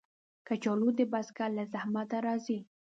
کچالو د بزګر له زحمته راځي